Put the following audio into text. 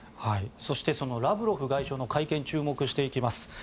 そしてそのラブロフ外相の会見に注目していきます。